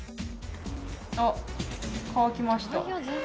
あっ乾きました。